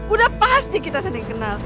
udah pasti kita sering kenal